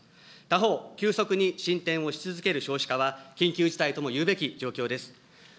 他方、急速に進展をし続ける少子化は緊急事態とも言うべき状況です。